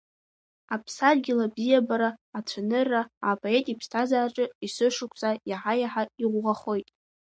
Аԥсадгьыл абзиабара, ацәанырра, апоет иԥсҭазаараҿы есышықәса иаҳа-иаҳа иӷәӷәахоит.